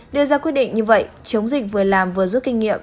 đưa ra quyết định như vậy chống dịch vừa làm vừa rút kinh nghiệm